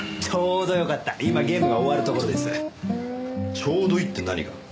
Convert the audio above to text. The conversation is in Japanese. ちょうどいいって何が？